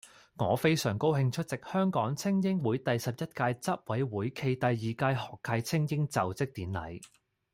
我非常高興出席香港菁英會第十一屆執委會暨第二屆學界菁英就職典禮